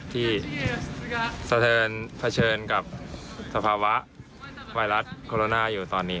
ที่สะเทินกับสภาวะไวรัสโคโรนาอยู่ตอนนี้